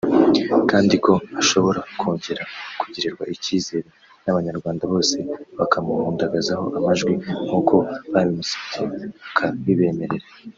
kandi ko ashobora kongera kugirirwa ikizere n’abanyarwanda bose bakamuhundagazaho amajwi nkuko babimusabye akabibemerera